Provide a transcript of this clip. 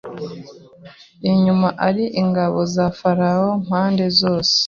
inyuma ari ingabo za Farawo impande zose